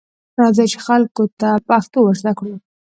راځئ، چې خلکو ته پښتو ورزده کړو.